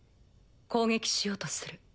攻撃しようとする。